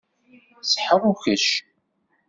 Seḥrukkec.